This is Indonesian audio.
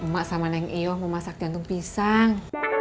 mak sama neng iwo mau masak jantung pisang